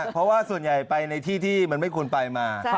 เพราะว่าส่วนใหญ่ไปในที่ที่มันไม่ควรไปมา